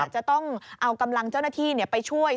จะต้องเอากำลังเจ้าหน้าที่ไปช่วย